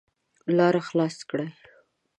لار خلاصه کړئ